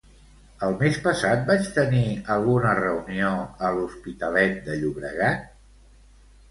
El mes passat vaig tenir alguna reunió a l'Hospitalet de Llobregat?